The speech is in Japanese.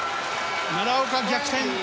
奈良岡、逆転。